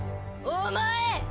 お前！